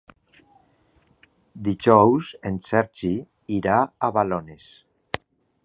Dijous en Sergi irà a Balones.